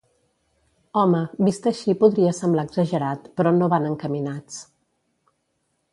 Home, vist així podria semblar exagerat però no van encaminats.